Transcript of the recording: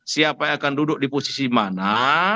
siapa yang akan duduk di posisi mana